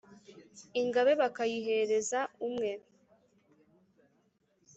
Ingabe bakayihereza umwe